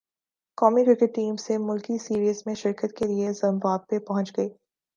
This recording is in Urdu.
قومی کرکٹ ٹیم سہ ملکی سیریز میں شرکت کے لیے زمبابوے پہنچ گئی